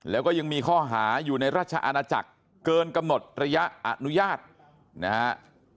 แล้วก็ยังมีข้อหาอยู่ในราชอาณาจักรเกินกำหนดระยะอนุญาตนะฮะ